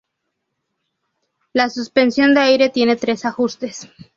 La suspensión de aire tiene tres ajustes.